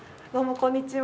こんにちは。